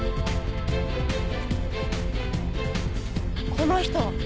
この人！